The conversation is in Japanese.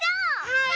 はい。